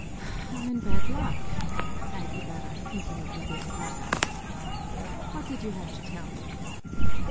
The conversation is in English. "I'm in bad luck," sighed Ibarra, thinking of Maria Clara. "What did you have to tell me?"